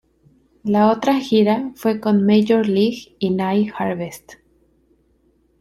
La otra gira fue con Major League y Nai Harvest.